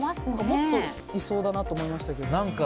もっといそうだなって思いましたけど。